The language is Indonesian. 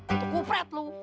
untuk kupret lo